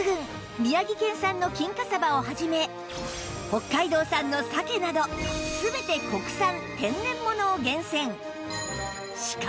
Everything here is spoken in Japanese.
宮城県産の金華さばをはじめ北海道産の鮭など全て国産・天然物を厳選！